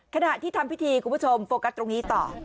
ขณะที่ทำพิธีคุณผู้ชมโฟกัสตรงนี้ต่อ